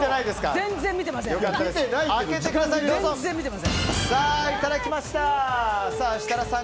全然、見てません！